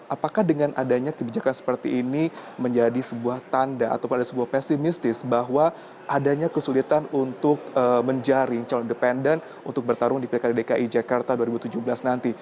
apakah dengan adanya kebijakan seperti ini menjadi sebuah tanda ataupun ada sebuah pesimistis bahwa adanya kesulitan untuk menjaring calon independen untuk bertarung di pilkada dki jakarta dua ribu tujuh belas nanti